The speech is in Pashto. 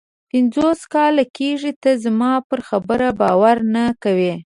پنځوس کاله کېږي ته زما پر خبره باور نه کوې.